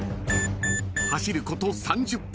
［走ること３０分］